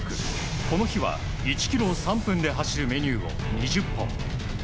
この日は１ｋｍを３分で走るメニューを２０本。